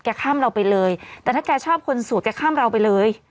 ข้ามเราไปเลยแต่ถ้าแกชอบคนสู่แกข้ามเราไปเลย